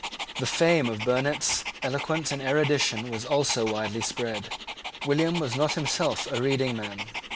The fame of Burnet's eloquence and erudition was also widely spread. William was not himself a reading man.